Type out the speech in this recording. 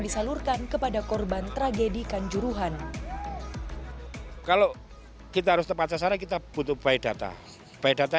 disalurkan kepada korban tragedi kanjuruhan kalau kita harus tepat sasaran kita butuh by data by data